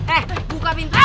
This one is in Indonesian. eh buka pintunya